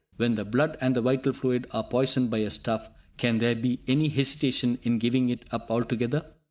When the blood and the vital fluid are poisoned by a stuff, can there be any hesitation in giving it up altogether?